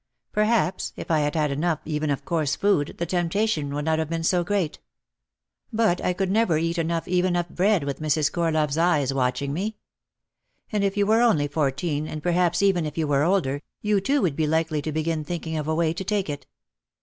Perhaps if I had had enough even of coarse food the temptation would not have been so great. But I could never eat enough even of bread with Mrs. Cor love's eyes watching me. And if you were only fourteen, and perhaps even if you were older, you too would be likely to begin thinking of a way to take it.